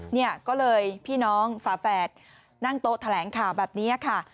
เนี่ยก็เลยพี่น้องฝาแฝดนั่งโต๊ะแถลงข่าวแบบนี้ค่ะ